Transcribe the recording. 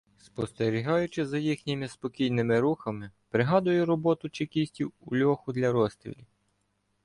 Спостерігаючи за їхніми спокійними рухами, пригадую "роботу" чекістів у льоху для розстрілів.